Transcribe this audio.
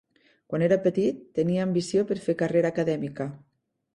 Quan era petit tenia ambició per fer carrera acadèmica.